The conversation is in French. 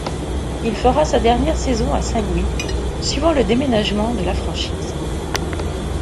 Il fera sa dernière saison à Saint-Louis, suivant le déménagement de la franchise.